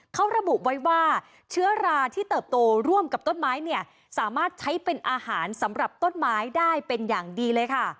เขาระบุไว้ว่าเชื้อราที่เติบโตร่วมกับต้นไม้เนี่ยสามารถใช้เป็นอาหารสำหรับต้นไม้ได้เป็นอย่างดีเลยค่ะ